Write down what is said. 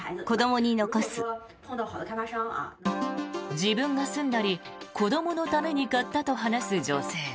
自分が住んだり子どものために買ったと話す女性。